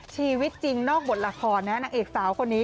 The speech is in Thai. ชีวิตจริงนอกบทละครนะนางเอกสาวคนนี้